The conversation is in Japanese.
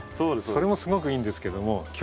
それもすごくいいんですけども今日はね